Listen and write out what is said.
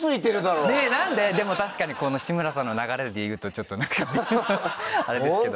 何で⁉でも確かにこの志村さんの流れで言うとちょっと何かあれですけど。